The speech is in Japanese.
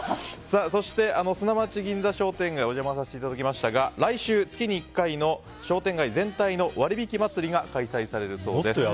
そして、砂町銀座商店街お邪魔させていただきましたが来週、月に一回の商店街全体の開催されるそうです。